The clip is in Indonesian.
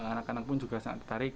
anak anak pun juga sangat tertarik